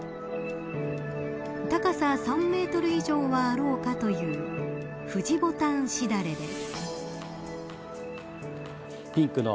高さ３メートル以上はあろうかという藤牡丹枝垂れです。